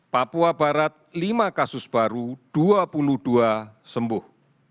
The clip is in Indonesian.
papua barat lima kasus baru dua puluh dua sembuh